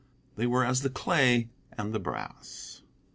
They were as the clay and the brass.